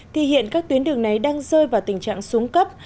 thì hiện các tuyến đường này đang rơi vào tình trạng xuống cấp